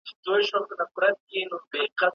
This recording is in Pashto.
رنگ تې مه گوره، خوند تې گوره.